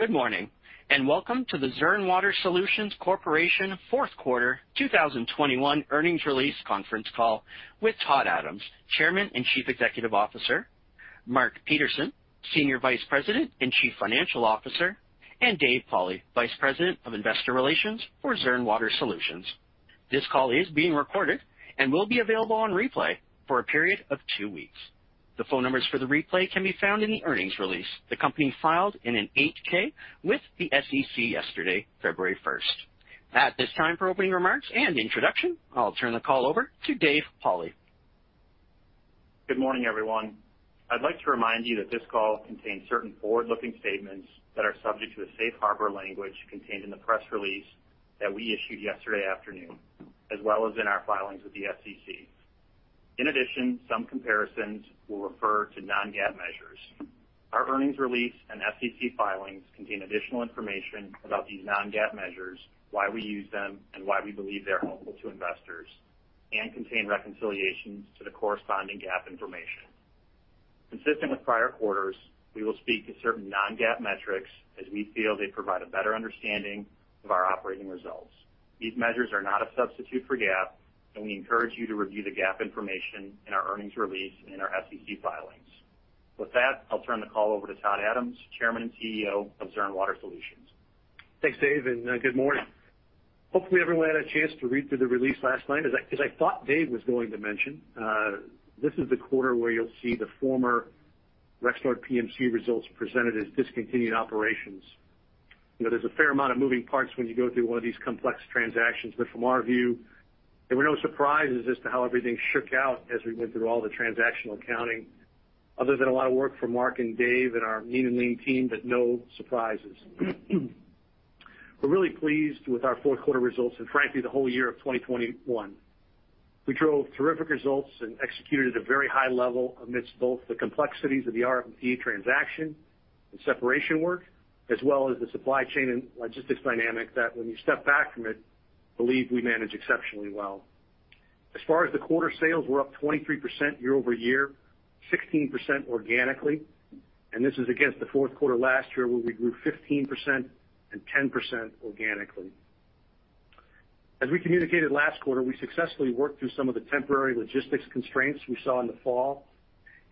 Good morning, and welcome to the Zurn Water Solutions Corporation fourth quarter 2021 earnings release conference call with Todd Adams, Chairman and Chief Executive Officer, Mark Peterson, Senior Vice President and Chief Financial Officer, and Dave Pauli, Vice President of Investor Relations for Zurn Water Solutions. This call is being recorded and will be available on replay for a period of two weeks. The phone numbers for the replay can be found in the earnings release the company filed in an 8-K with the SEC yesterday, February first. At this time, for opening remarks and introduction, I'll turn the call over to Dave Pauli. Good morning, everyone. I'd like to remind you that this call contains certain forward-looking statements that are subject to the safe harbor language contained in the press release that we issued yesterday afternoon, as well as in our filings with the SEC. In addition, some comparisons will refer to non-GAAP measures. Our earnings release and SEC filings contain additional information about these non-GAAP measures, why we use them, and why we believe they're helpful to investors, and contain reconciliations to the corresponding GAAP information. Consistent with prior quarters, we will speak to certain non-GAAP metrics as we feel they provide a better understanding of our operating results. These measures are not a substitute for GAAP, and we encourage you to review the GAAP information in our earnings release and in our SEC filings. With that, I'll turn the call over to Todd Adams, Chairman and CEO of Zurn Water Solutions. Thanks, Dave, and good morning. Hopefully, everyone had a chance to read through the release last night. As I thought Dave was going to mention, this is the quarter where you'll see the former Rexnord PMC results presented as discontinued operations. You know, there's a fair amount of moving parts when you go through one of these complex transactions, but from our view, there were no surprises as to how everything shook out as we went through all the transactional accounting, other than a lot of work for Mark and Dave and our mean and lean team, but no surprises. We're really pleased with our fourth quarter results and frankly, the whole year of 2021. We drove terrific results and executed at a very high level amidst both the complexities of the RMT transaction and separation work, as well as the supply chain and logistics dynamic that when you step back from it, I believe we managed exceptionally well. As far as the quarter sales, we're up 23% year-over-year, 16% organically, and this is against the fourth quarter last year, where we grew 15% and 10% organically. As we communicated last quarter, we successfully worked through some of the temporary logistics constraints we saw in the fall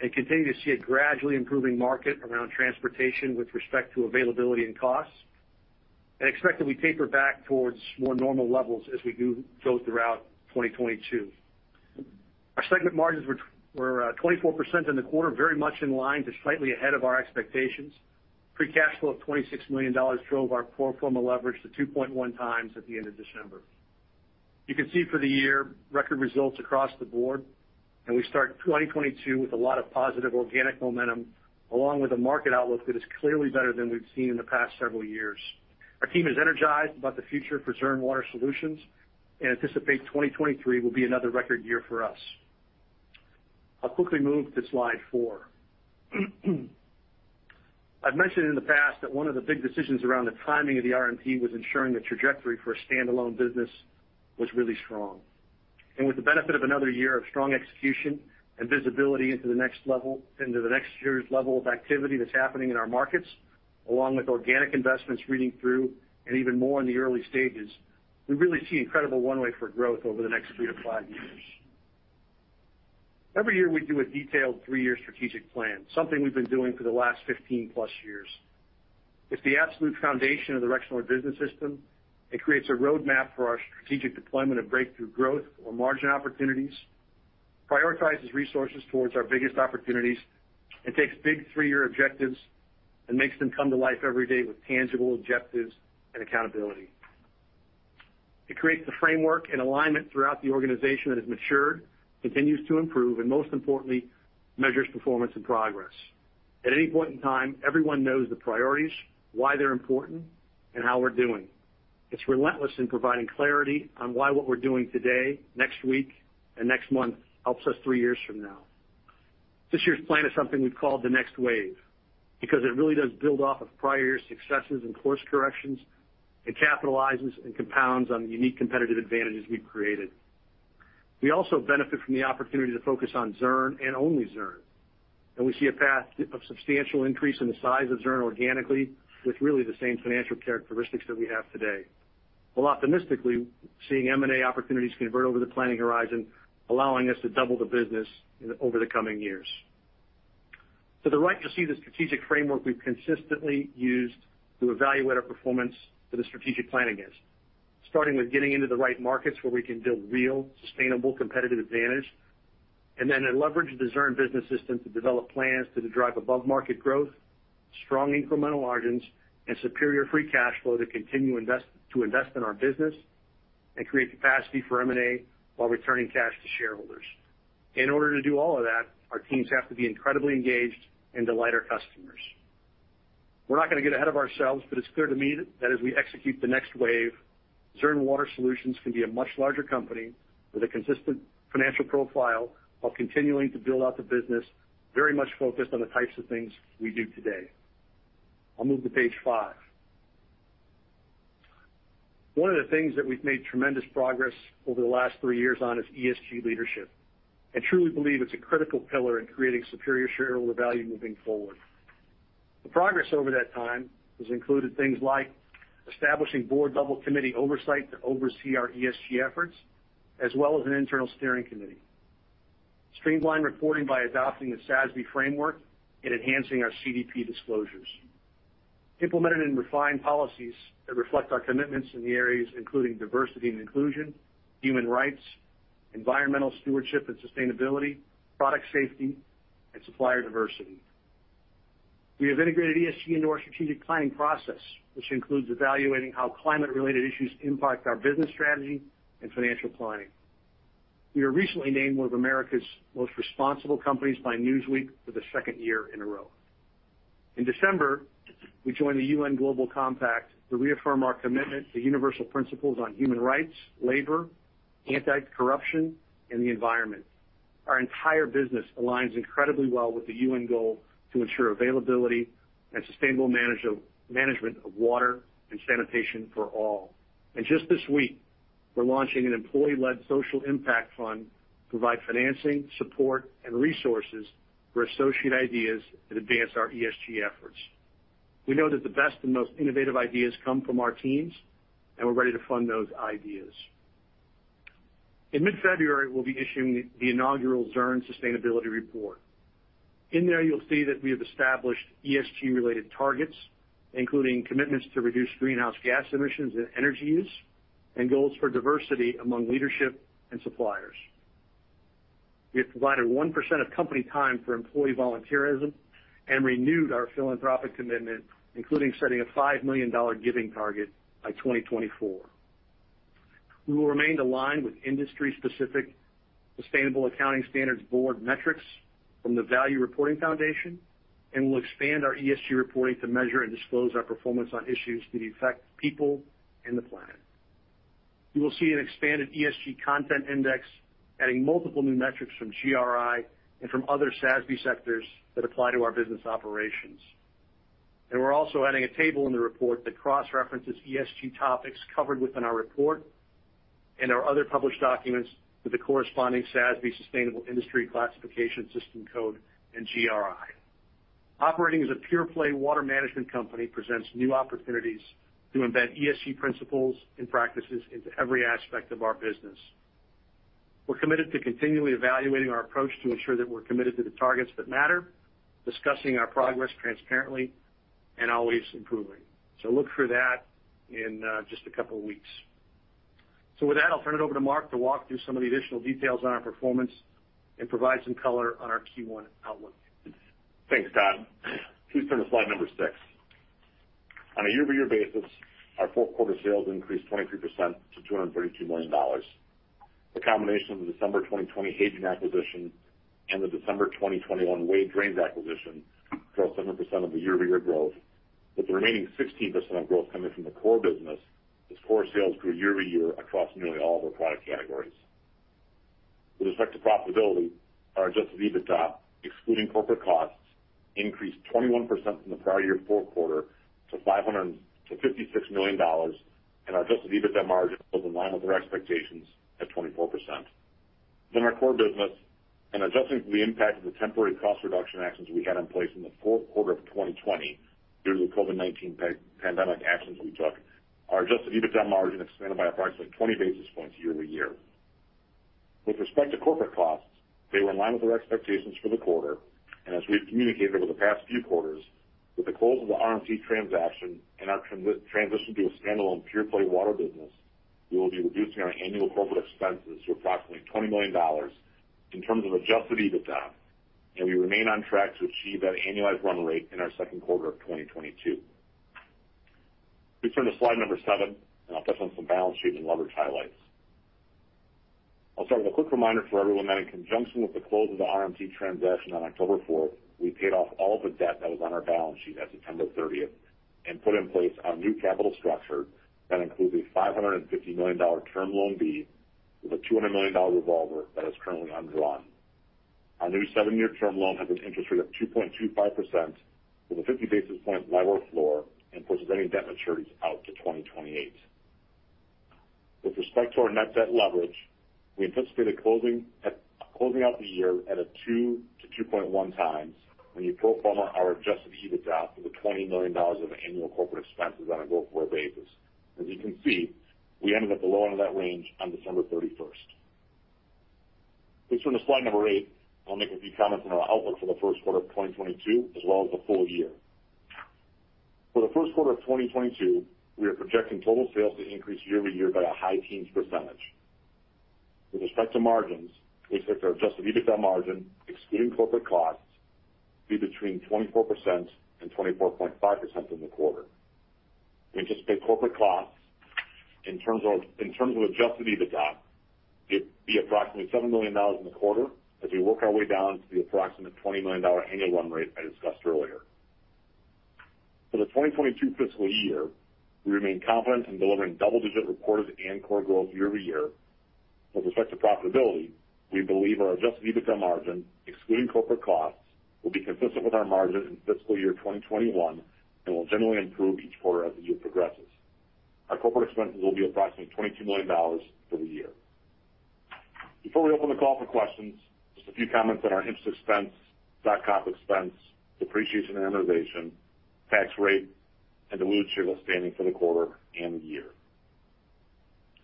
and continue to see a gradually improving market around transportation with respect to availability and costs, and expect that we taper back towards more normal levels as we do go throughout 2022. Our segment margins were 24% in the quarter, very much in line to slightly ahead of our expectations. Free cash flow of $26 million drove our pro forma leverage to 2.1x at the end of December. You can see for the year, record results across the board, and we start 2022 with a lot of positive organic momentum, along with a market outlook that is clearly better than we've seen in the past several years. Our team is energized about the future for Zurn Water Solutions and anticipate 2023 will be another record year for us. I'll quickly move to slide four. I've mentioned in the past that one of the big decisions around the timing of the RFMP was ensuring the trajectory for a standalone business was really strong. With the benefit of another year of strong execution and visibility into the next year's level of activity that's happening in our markets, along with organic investments reading through and even more in the early stages, we really see incredible one way for growth over the next three to five years. Every year, we do a detailed three-year strategic plan, something we've been doing for the last 15+ years. It's the absolute foundation of the Rexnord Business System. It creates a roadmap for our strategic deployment of breakthrough growth or margin opportunities, prioritizes resources towards our biggest opportunities, and takes big three-year objectives and makes them come to life every day with tangible objectives and accountability. It creates the framework and alignment throughout the organization that has matured, continues to improve, and most importantly, measures performance and progress. At any point in time, everyone knows the priorities, why they're important, and how we're doing. It's relentless in providing clarity on why what we're doing today, next week, and next month helps us three years from now. This year's plan is something we've called The Next Wave because it really does build off of prior year's successes and course corrections. It capitalizes and compounds on the unique competitive advantages we've created. We also benefit from the opportunity to focus on Zurn and only Zurn, and we see a path of substantial increase in the size of Zurn organically with really the same financial characteristics that we have today. While optimistically seeing M&A opportunities convert over the planning horizon, allowing us to double the business over the coming years. To the right, you'll see the strategic framework we've consistently used to evaluate our performance against the strategic plan. Starting with getting into the right markets where we can build real, sustainable competitive advantage, and then leverage the Zurn Business System to develop plans to drive above-market growth, strong incremental margins, and superior free cash flow to continue to invest in our business and create capacity for M&A while returning cash to shareholders. In order to do all of that, our teams have to be incredibly engaged and delight our customers. We're not gonna get ahead of ourselves, but it's clear to me that as we execute The Next Wave, Zurn Water Solutions can be a much larger company with a consistent financial profile while continuing to build out the business, very much focused on the types of things we do today. I'll move to page five. One of the things that we've made tremendous progress over the last three years on is ESG leadership. I truly believe it's a critical pillar in creating superior shareholder value moving forward. The progress over that time has included things like establishing board-level committee oversight to oversee our ESG efforts, as well as an internal steering committee, streamline reporting by adopting the SASB framework and enhancing our CDP disclosures, implemented and refined policies that reflect our commitments in the areas including diversity and inclusion, human rights, environmental stewardship and sustainability, product safety, and supplier diversity. We have integrated ESG into our strategic planning process, which includes evaluating how climate-related issues impact our business strategy and financial planning. We were recently named one of America's Most Responsible Companies by Newsweek for the second year in a row. In December, we joined the UN Global Compact to reaffirm our commitment to universal principles on human rights, labor, anti-corruption, and the environment. Our entire business aligns incredibly well with the UN goal to ensure availability and sustainable management of water and sanitation for all. Just this week, we're launching an employee-led social impact fund to provide financing, support, and resources for associate ideas that advance our ESG efforts. We know that the best and most innovative ideas come from our teams, and we're ready to fund those ideas. In mid-February, we'll be issuing the inaugural Zurn Sustainability Report. In there, you'll see that we have established ESG-related targets, including commitments to reduce greenhouse gas emissions and energy use, and goals for diversity among leadership and suppliers. We have provided 1% of company time for employee volunteerism and renewed our philanthropic commitment, including setting a $5 million giving target by 2024. We will remain aligned with industry-specific Sustainability Accounting Standards Board metrics from the Value Reporting Foundation, and we'll expand our ESG reporting to measure and disclose our performance on issues that affect people and the planet. You will see an expanded ESG content index, adding multiple new metrics from GRI and from other SASB sectors that apply to our business operations. We're also adding a table in the report that cross-references ESG topics covered within our report and our other published documents with the corresponding SASB Sustainable Industry Classification System code and GRI. Operating as a pure-play water management company presents new opportunities to embed ESG principles and practices into every aspect of our business. We're committed to continually evaluating our approach to ensure that we're committed to the targets that matter, discussing our progress transparently, and always improving. Look for that in just a couple of weeks. With that, I'll turn it over to Mark to walk through some of the additional details on our performance and provide some color on our Q1 outlook. Thanks, Todd. Please turn to slide six. On a year-over-year basis, our fourth quarter sales increased 23% to $232 million. The combination of the December 2020 Hadrian acquisition and the December 2021 Wade Drains acquisition drove 7% of the year-over-year growth, with the remaining 16% of growth coming from the core business as core sales grew year over year across nearly all of our product categories. With respect to profitability, our adjusted EBITDA, excluding corporate costs, increased 21% from the prior year fourth quarter to $56 million, and our adjusted EBITDA margin was in line with our expectations at 24%. In our core business and adjusting for the impact of the temporary cost reduction actions we had in place in the fourth quarter of 2020 due to the COVID-19 pandemic actions we took, our adjusted EBITDA margin expanded by approximately 20 basis points year-over-year. With respect to corporate costs, they were in line with our expectations for the quarter, and as we've communicated over the past few quarters, with the close of the RMT transaction and our transition to a standalone pure-play water business, we will be reducing our annual corporate expenses to approximately $20 million in terms of adjusted EBITDA, and we remain on track to achieve that annualized run rate in our second quarter of 2022. Please turn to slide number seven, and I'll touch on some balance sheet and leverage highlights. I'll start with a quick reminder for everyone that in conjunction with the close of the RMT transaction on October 4, we paid off all the debt that was on our balance sheet at September 30th and put in place our new capital structure that includes a $550 million term loan B with a $200 million revolver that is currently undrawn. Our new seven-year erm loan has an interest rate of 2.25% with a 50 basis point LIBOR floor and pushes any debt maturities out to 2028. With respect to our net debt leverage, we anticipate closing out the year at a 2x -2.1x when you pro forma our adjusted EBITDA to the $20 million of annual corporate expenses on a go-forward basis. As you can see, we ended up below in that range on December 31st. Please turn to slide eight. I'll make a few comments on our outlook for the first quarter of 2022 as well as the full year. For the first quarter of 2022, we are projecting total sales to increase year-over-year by a high teens %. With respect to margins, we expect our adjusted EBITDA margin, excluding corporate costs, to be between 24% and 24.5% in the quarter. We anticipate corporate costs in terms of adjusted EBITDA to be approximately $7 million in the quarter as we work our way down to the approximate $20 million annual run rate I discussed earlier. For the 2022 fiscal year, we remain confident in delivering double-digit reported and core growth year-over-year. With respect to profitability, we believe our adjusted EBITDA margin, excluding corporate costs, will be consistent with our margin in fiscal year 2021 and will generally improve each quarter as the year progresses. Our corporate expenses will be approximately $22 million for the year. Before we open the call for questions, just a few comments on our interest expense, stock comp expense, depreciation and amortization, tax rate, and diluted shares outstanding for the quarter and the year.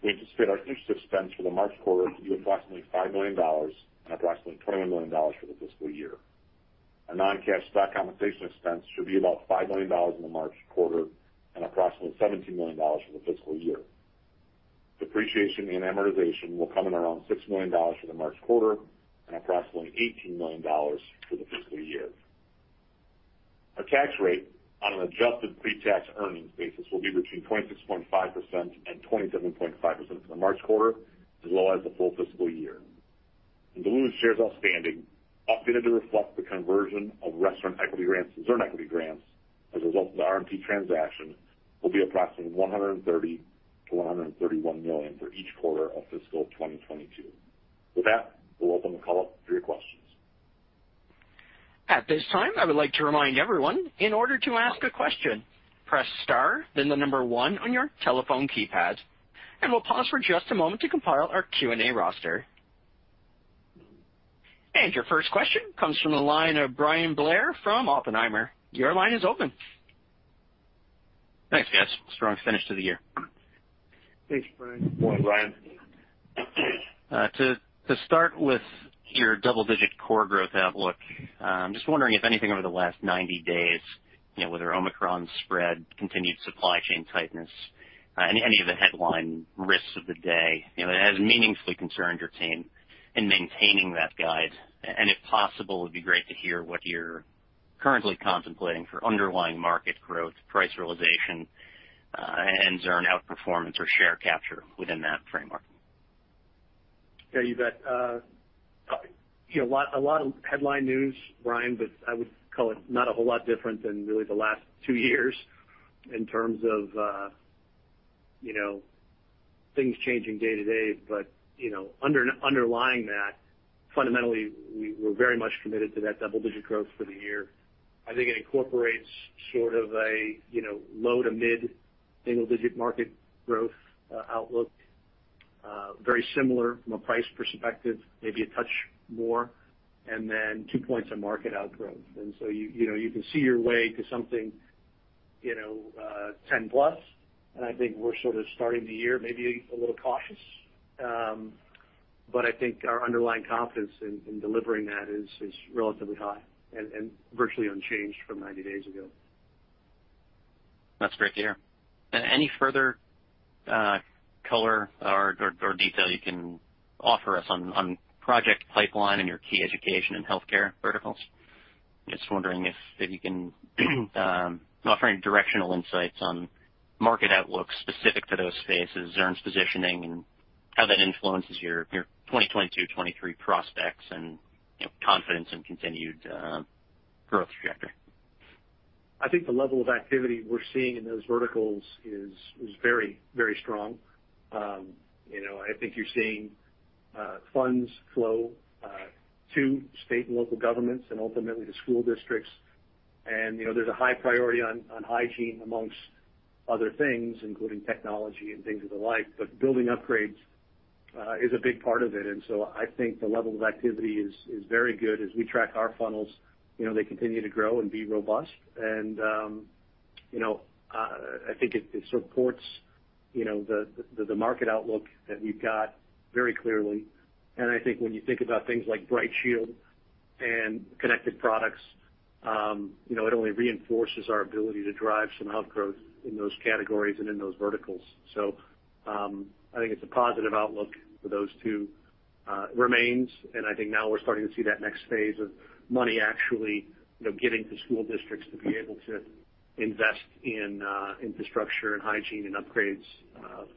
We anticipate our interest expense for the March quarter to be approximately $5 million and approximately $21 million for the fiscal year. Our non-cash stock compensation expense should be about $5 million in the March quarter and approximately $17 million for the fiscal year. Depreciation and amortization will come in around $6 million for the March quarter and approximately $18 million for the fiscal year. Our tax rate on an adjusted pretax earnings basis will be between 26.5% and 27.5% for the March quarter as well as the full fiscal year. Diluted shares outstanding, updated to reflect the conversion of Rexnord equity grants to Zurn equity grants as a result of the RMT transaction, will be approximately 130-131 million for each quarter of fiscal 2022. With that, we'll open the call up for your questions. At this time, I would like to remind everyone, in order to ask a question, press star then the number one on your telephone keypad, and we'll pause for just a moment to compile our Q&A roster. Your first question comes from the line of Bryan Blair from Oppenheimer. Your line is open. Thanks, guys. Strong finish to the year. Thanks, Bryan. Morning, Bryan. To start with your double-digit core growth outlook, just wondering if anything over the last 90 days, you know, whether Omicron spread, continued supply chain tightness, and any of the headline risks of the day, you know, has meaningfully concerned your team in maintaining that guide. If possible, it'd be great to hear what you're currently contemplating for underlying market growth, price realization, and Zurn outperformance or share capture within that framework. Yeah, you bet. You know, a lot of headline news, Bryan, but I would call it not a whole lot different than really the last two years in terms of, you know, things changing day to day. You know, underlying that, fundamentally, we're very much committed to that double-digit growth for the year. I think it incorporates sort of a, you know, low to mid single digit market growth outlook, very similar from a price perspective, maybe a touch more, and then 2 points of market outgrowth. You know, you can see your way to something, you know, 10 plus. I think we're sort of starting the year maybe a little cautious, but I think our underlying confidence in delivering that is relatively high and virtually unchanged from 90 days ago. That's great to hear. Any further color or detail you can offer us on project pipeline and your key education and healthcare verticals? Just wondering if you can offer any directional insights on market outlook specific to those spaces, Zurn's positioning, and how that influences your 2022, 2023 prospects and, you know, confidence in continued growth trajectory. I think the level of activity we're seeing in those verticals is very, very strong. You know, I think you're seeing funds flow to state and local governments and ultimately to school districts. You know, there's a high priority on hygiene among other things, including technology and things of the like. Building upgrades is a big part of it. I think the level of activity is very good. As we track our funnels, you know, they continue to grow and be robust. You know, I think it supports you know, the market outlook that we've got very clearly. I think when you think about things like BrightShield and connected products, you know, it only reinforces our ability to drive some huge growth in those categories and in those verticals. I think it's a positive outlook for those two remains, and I think now we're starting to see that next phase of money actually, you know, getting to school districts to be able to invest in infrastructure and hygiene and upgrades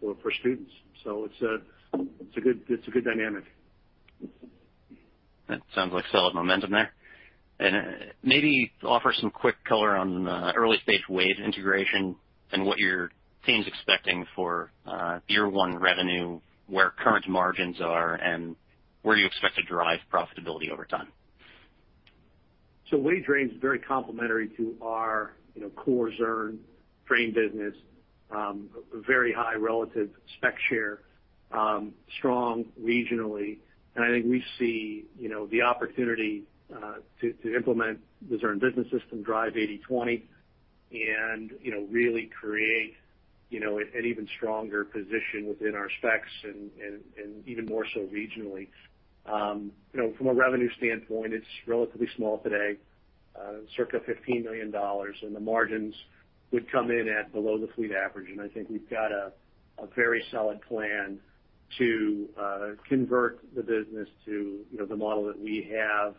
for students. It's a good dynamic. That sounds like solid momentum there. Maybe offer some quick color on early stage Wade integration and what your team's expecting for year one revenue, where current margins are, and where you expect to drive profitability over time? Wade Drains is very complementary to our, you know, core Zurn drain business, very high relative spec share, strong regionally. I think we see, you know, the opportunity to implement the Zurn Business System, drive 80/20 and, you know, really create, you know, an even stronger position within our specs and even more so regionally. You know, from a revenue standpoint, it's relatively small today, circa $15 million, and the margins would come in at below the fleet average. I think we've got a very solid plan to convert the business to, you know, the model that we have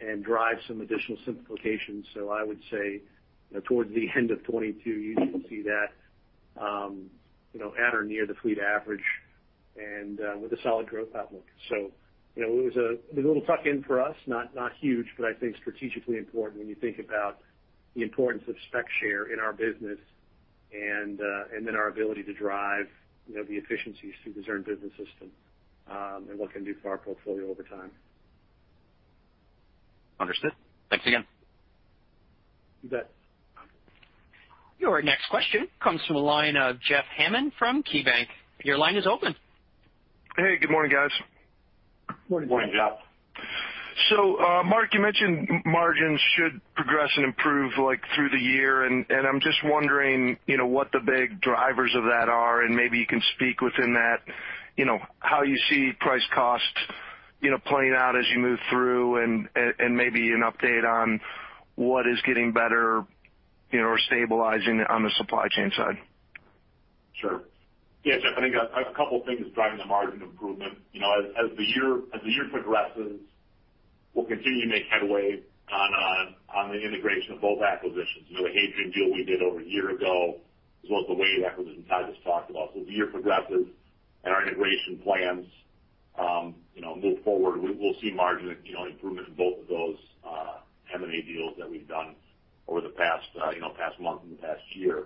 and drive some additional simplifications. I would say, you know, towards the end of 2022, you should see that, you know, at or near the fleet average and with a solid growth outlook. You know, it was a little tuck-in for us, not huge, but I think strategically important when you think about the importance of spec share in our business. our ability to drive, you know, the efficiencies through the Zurn Business System, and what can do for our portfolio over time. Understood. Thanks again. You bet. Your next question comes from the line of Jeff Hammond from KeyBanc Capital Markets. Your line is open. Hey, good morning, guys. Morning. Morning, Jeff. Mark, you mentioned margins should progress and improve, like through the year. I'm just wondering, you know, what the big drivers of that are, and maybe you can speak within that, you know, how you see price cost, you know, playing out as you move through and maybe an update on what is getting better, you know, or stabilizing on the supply chain side. Sure. Yeah, Jeff, I think a couple things driving the margin improvement. You know, as the year progresses, we'll continue to make headway on the integration of both acquisitions. You know, the Hadrian deal we did over a year ago, as well as the Wade acquisition Todd just talked about. As the year progresses and our integration plans, you know, move forward, we'll see margin, you know, improvement in both of those, M&A deals that we've done over the past month and the past year.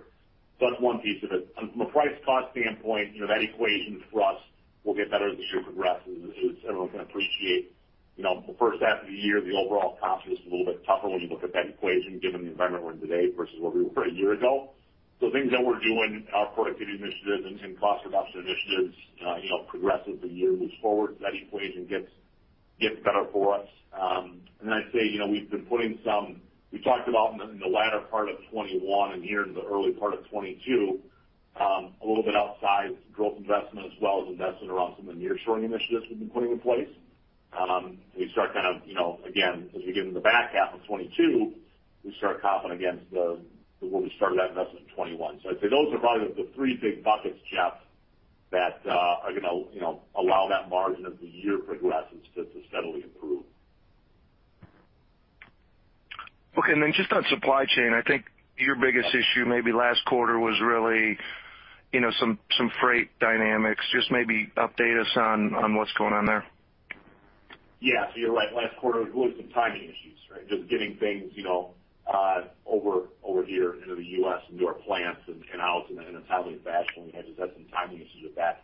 That's one piece of it. From a price cost standpoint, you know, that equation for us will get better as the year progresses, as everyone can appreciate. You know, the first half of the year, the overall cost was a little bit tougher when you look at that equation, given the environment we're in today versus where we were a year ago. Things that we're doing, our productivity initiatives and some cost reduction initiatives, you know, progress as the year moves forward. That equation gets better for us. I'd say, you know, we've been putting some, we talked about in the latter part of 2021 and here in the early part of 2022, a little bit outsize growth investment as well as investment around some of the nearshoring initiatives we've been putting in place. We start kind of, you know, again, as we get into the back half of 2022, we start comping against the way we started that investment in 2021. I'd say those are probably the three big buckets, Jeff, that are gonna, you know, allow that margin as the year progresses to steadily improve. Okay. Just on supply chain, I think your biggest issue maybe last quarter was really, you know, some freight dynamics. Just maybe update us on what's going on there. Yeah. You're right. Last quarter was really some timing issues, right? Just getting things, you know, over here into the U.S., into our plants and out in a timely fashion. We had some timing issues with that.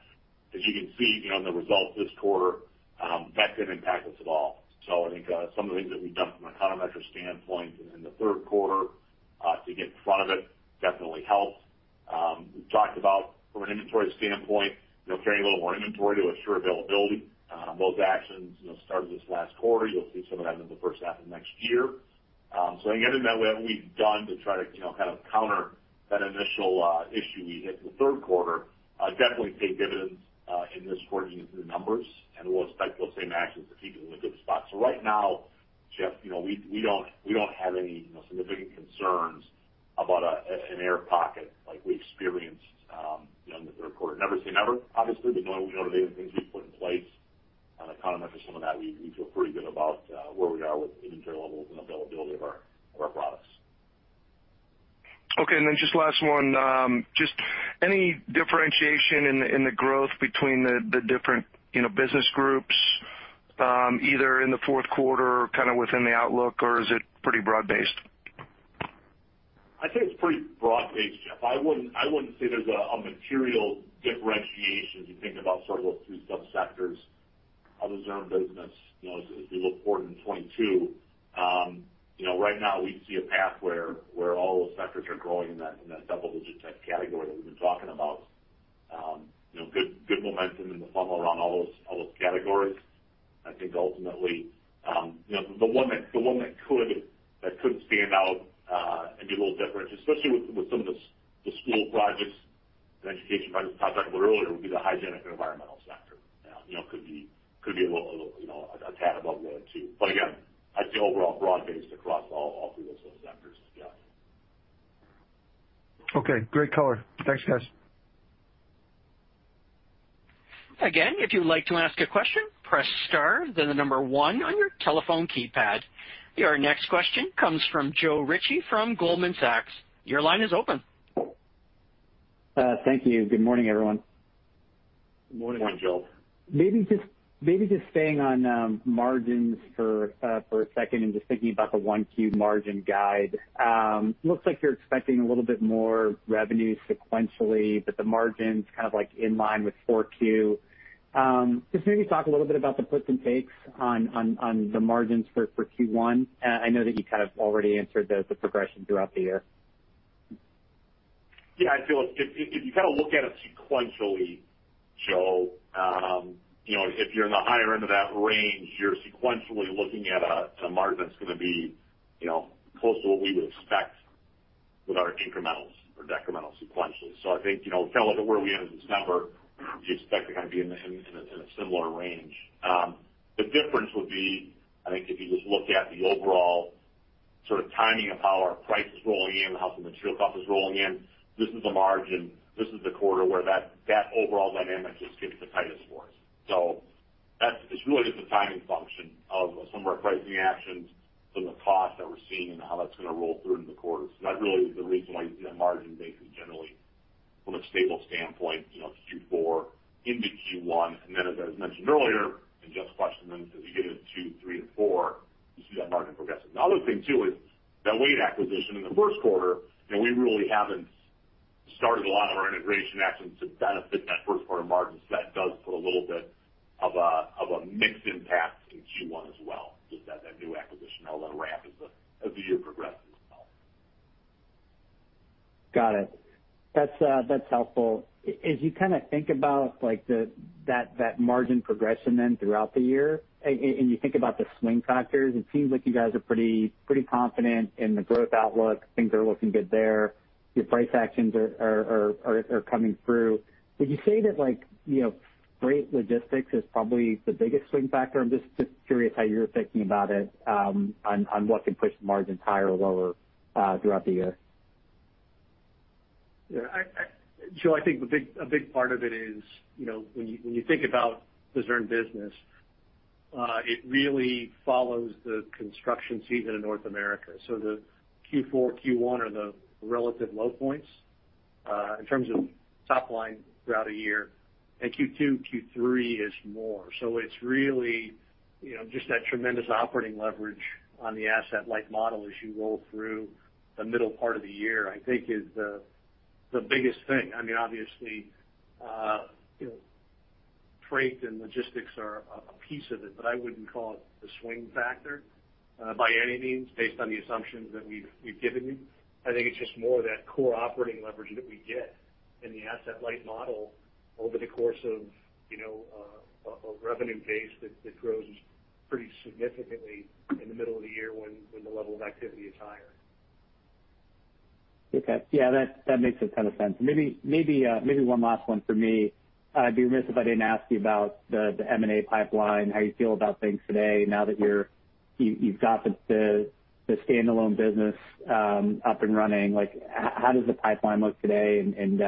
As you can see, you know, in the results this quarter, that didn't impact us at all. I think some of the things that we've done from an econometric standpoint in the third quarter to get in front of it definitely helped. We've talked about from an inventory standpoint, you know, carrying a little more inventory to assure availability. Both actions, you know, started this last quarter. You'll see some of that in the first half of next year. I think everything that we've done to try to, you know, kind of counter that initial issue we hit in the third quarter definitely paid dividends in this quarter, as you can see the numbers, and we'll expect those same actions to keep us in a good spot. Right now, Jeff, you know, we don't have any significant concerns about an air pocket like we experienced in the third quarter. Never say never, obviously, but knowing what we know today, the things we've put in place on econometrics, some of that, we feel pretty good about where we are with inventory levels and availability of our products. Okay. Just last one. Just any differentiation in the growth between the different, you know, business groups, either in the fourth quarter or kind of within the outlook, or is it pretty broad-based? I'd say it's pretty broad-based, Jeff. I wouldn't say there's a material differentiation as you think about sort of those three subsectors of the Zurn business. You know, as we look forward in 2022, you know, right now we see a path where all those sectors are growing in that double-digit type category that we've been talking about. You know, good momentum in the funnel around all those categories. I think ultimately, you know, the one that could stand out and be a little different, especially with some of the school projects and education projects we talked about earlier, would be the Hygienic and Environmental sector. You know, could be a little, you know, a tad above the other two. Again, I'd say overall broad-based across all three of those sectors, yeah. Okay, great color. Thanks, guys. Again, if you'd like to ask a question, press star then the number one on your telephone keypad. Your next question comes from Joe Ritchie from Goldman Sachs. Your line is open. Thank you. Good morning, everyone. Morning. Morning, Joe. Maybe just staying on margins for a second and just thinking about the one key margin guide. Looks like you're expecting a little bit more revenue sequentially, but the margins kind of like in line with 4Q. Just maybe talk a little bit about the puts and takes on the margins for Q1. I know that you kind of already answered the progression throughout the year. Yeah. I feel if you kind of look at it sequentially, Joe, you know, if you're in the higher end of that range, you're sequentially looking at a margin that's gonna be, you know, close to what we would expect with our incrementals or decrementals sequentially. I think, you know, kind of look at where we ended this number, you expect to kind of be in a similar range. The difference would be, I think, if you just look at the overall sort of timing of how our price is rolling in, how some material cost is rolling in. This is the margin. This is the quarter where that overall dynamic just gets the tightest for us. It's really just a timing function of some of our pricing actions, some of the costs that we're seeing and how that's gonna roll through into the quarters. That really is the reason why you see a margin basis generally. From a stable standpoint, you know, Q4 into Q1, and then as I mentioned earlier, in Jeff's question then as you get into three and four, you see that margin progressing. The other thing too is that Wade acquisition in the first quarter, you know, we really haven't started a lot of our integration actions to benefit that first quarter margin. So that does put a little bit of a mixed impact in Q1 as well, just that new acquisition that'll then ramp as the year progresses as well. Got it. That's helpful. As you kinda think about that margin progression then throughout the year, and you think about the swing factors, it seems like you guys are pretty confident in the growth outlook. Things are looking good there. Your price actions are coming through. Would you say that like, you know, freight logistics is probably the biggest swing factor? I'm just curious how you're thinking about it, on what can push the margins higher or lower, throughout the year. Yeah. I Joe, I think a big part of it is, you know, when you think about the Zurn business, it really follows the construction season in North America. Q4, Q1 are the relative low points in terms of top line throughout a year, and Q2, Q3 is more. It's really, you know, just that tremendous operating leverage on the asset light model as you roll through the middle part of the year, I think is the biggest thing. I mean, obviously, you know, freight and logistics are a piece of it, but I wouldn't call it the swing factor by any means, based on the assumptions that we've given you. I think it's just more that core operating leverage that we get in the asset light model over the course of, you know, a revenue base that grows pretty significantly in the middle of the year when the level of activity is higher. Okay. Yeah, that makes a ton of sense. Maybe one last one for me. I'd be remiss if I didn't ask you about the M&A pipeline, how you feel about things today now that you've got the standalone business up and running. Like, how does the pipeline look today and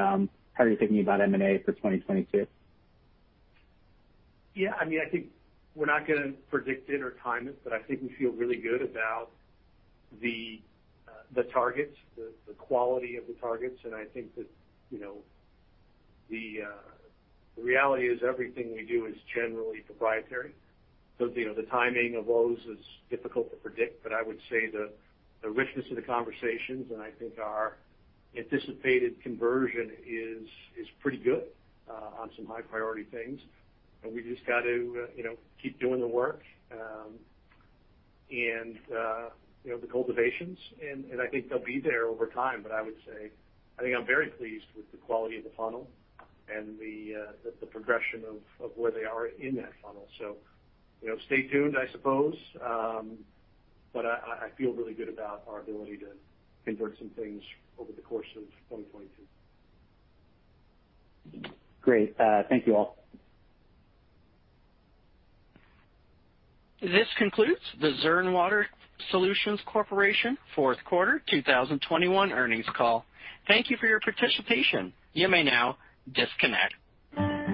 how are you thinking about M&A for 2022? Yeah, I mean, I think we're not gonna predict it or time it, but I think we feel really good about the targets, the quality of the targets. I think that, you know, the reality is everything we do is generally proprietary. You know, the timing of those is difficult to predict, but I would say the richness of the conversations, and I think our anticipated conversion is pretty good on some high priority things. We just got to, you know, keep doing the work, and you know, the cultivations and I think they'll be there over time. I would say, I think I'm very pleased with the quality of the funnel and the progression of where they are in that funnel. You know, stay tuned, I suppose. I feel really good about our ability to convert some things over the course of 2022. Great. Thank you all. This concludes the Zurn Water Solutions Corporation fourth quarter 2021 earnings call. Thank you for your participation. You may now disconnect.